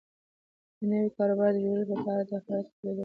د نوي کاروبار د جوړولو په پار دربار ته تللی و.